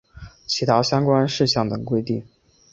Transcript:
其他相关事项等规定